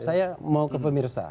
saya mau ke pemirsa